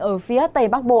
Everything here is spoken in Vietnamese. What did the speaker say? ở phía tây bắc bộ